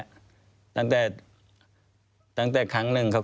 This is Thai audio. ควิทยาลัยเชียร์สวัสดีครับ